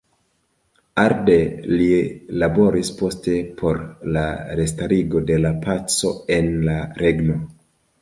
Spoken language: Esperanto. Arde li laboris poste por la restarigo de la paco en la regno.